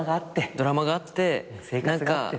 ドラマがあって何か。